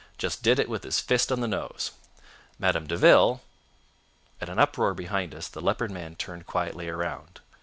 Just did it with his fist on the nose. "Madame de Ville—" At an uproar behind us the Leopard Man turned quietly around.